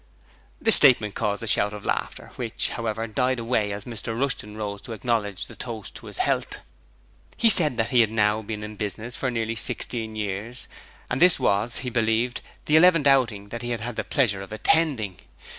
This statement caused a shout of laughter, which, however, died away as Mr Rushton rose to acknowledge the toast to his health. He said that he had now been in business for nearly sixteen years and this was he believed the eleventh outing he had had the pleasure of attending.